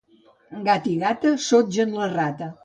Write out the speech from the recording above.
Gat i gata sotgen la rata.